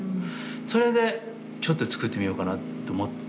それでちょっと作ってみようかなって思って